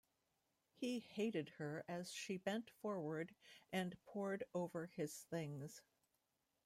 He hated her as she bent forward and pored over his things.